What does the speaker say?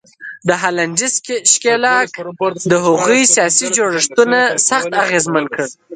د هالنډي ښکېلاک د هغوی سیاسي جوړښتونه سخت اغېزمن کړل.